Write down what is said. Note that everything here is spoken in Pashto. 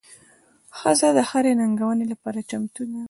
ښځه د هرې ننګونې لپاره چمتو ده.